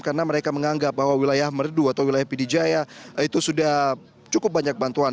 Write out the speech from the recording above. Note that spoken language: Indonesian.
karena mereka menganggap bahwa wilayah merdu atau wilayah pidijaya itu sudah cukup banyak bantuan